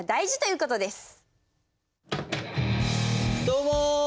どうも！